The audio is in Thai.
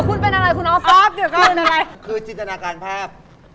คือจิตนาการแพบ